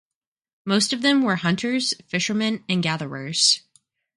Most of them were hunters, fishermen, and gatherers.